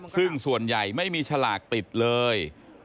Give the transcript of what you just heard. ซึ่งส่วนใหญ่ไม่มีฉลากติดเลย